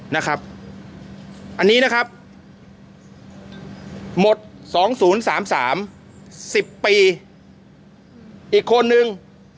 นะครับอันนี้นะครับหมดสองศูนย์สามสามสิบปีอีกคนหนึ่ง